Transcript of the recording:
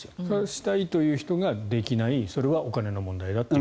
したいという人ができないそれはお金の問題だという。